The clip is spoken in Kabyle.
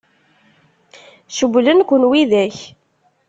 Cewwlen-ken widak?